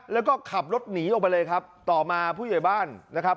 แล้วก็ขับรถหนีออกไปเลยครับต่อมาผู้ใหญ่บ้านนะครับ